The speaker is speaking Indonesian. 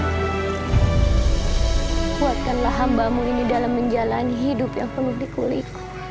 hai kuatkanlah hambamu ini dalam menjalani hidup yang penting kulit